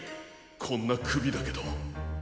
こんなくびだけど。